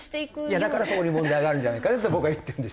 いやだからそこに問題があるんじゃないかねって僕は言ってるんです。